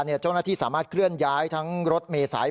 เจ้าหน้าที่สามารถเคลื่อนย้ายทั้งรถเมษาย